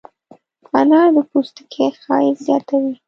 انار د پوستکي ښایست زیاتوي.